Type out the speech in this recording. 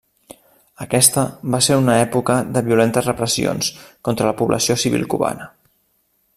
Aquesta va ser una època de violentes repressions contra la població civil cubana.